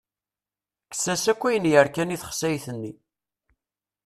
Kkes-as akk ayen yerkan i texsayt-nni.